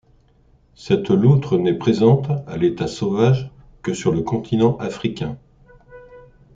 Cette loutre n'est présente, à l'état sauvage, que sur le continent africain.